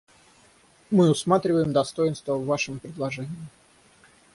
Мы усматриваем достоинства в вашем предложении.